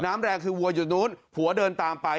แรงคือวัวอยู่นู้นผัวเดินตามไป